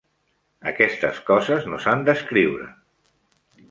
Aquestes coses no s'han d'escriure.